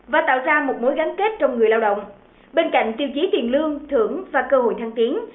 và tạo ra một mối gắn kết trong người lao động bên cạnh tiêu chí tiền lương thưởng và cơ hội thăng tiến